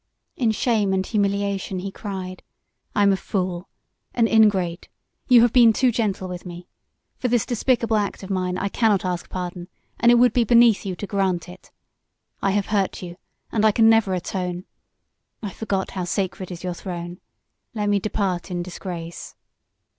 In shame and humiliation he cried: "I am a fool an ingrate, You have been too gentle with me. For this despicable act of mine I cannot ask pardon and it would be beneath you to grant it. I have hurt you, and I can never atone. I forgot how sacred is your throne. Let me depart in disgrace."